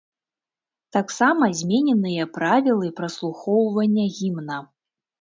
Таксама змененыя правілы праслухоўвання гімна.